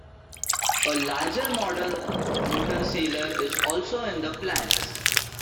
A larger model motorsailer is also in the plans.